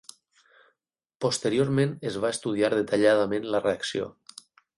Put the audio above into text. Posteriorment es va estudiar detalladament la reacció.